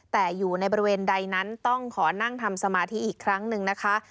แต่อยู่ในบริเวณใดนั้นต้องขอนั่งทำสมาธิอีกครั้งหนึ่งนะคะ